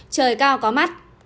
trời cao có mắt